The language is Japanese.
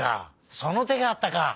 そのてがあったか！